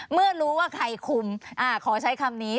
เมื่อรู้ว่าใครคุมขอใช้คำนี้